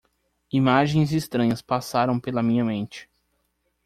Imagens estranhas passaram pela minha mente.